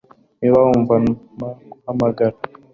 Niba wumva , mpa guhamagara.